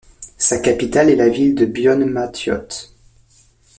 Sa capitale est la ville de Buôn Ma Thuột.